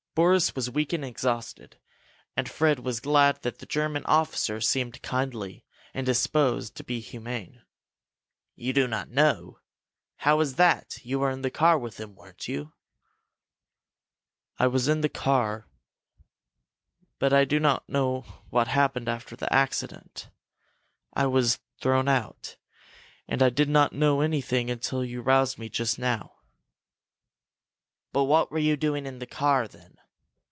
Boris was weak and exhausted, and Fred was glad that the German officer seemed kindly and disposed to be humane. "You do not know? How is that? You were in the car with them, weren't you?" "I was in the car, but I do not know what happened after the accident. I was thrown out and I did not know anything until you roused me just now." "But what were you doing in the car, then?